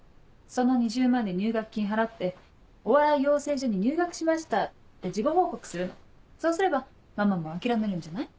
その２０万で入学金払って「お笑い養成所に入学しました」って事後報告するのそうすればママも諦めるんじゃない？